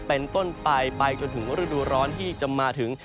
เป็นต้นไปไปจนถึงฤดูร้อนที่จะมาถึง